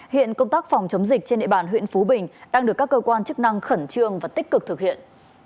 hiện công tác phòng chống dịch trên địa bàn huyện phú bình đang được các cơ quan chức năng khẩn trương và tích cực thực hiện